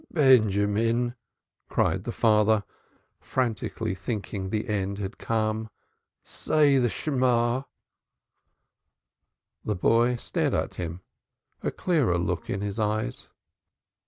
"Benjamin," cried the father, frantically, thinking the end had come, "say the Shemang." The boy stared at him, a clearer look in his eyes.